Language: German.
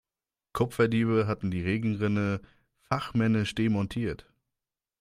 Kupferdiebe hatten die Regenrinne fachmännisch demontiert.